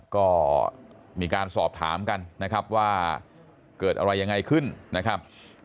ก็มีการสอบถามกันนะครับว่าเกิดอะไรยังไงขึ้นนะครับ